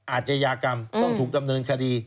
อาชญากรรมต้องถูกดำเนินคดี